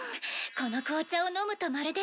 この紅茶を飲むとまるで。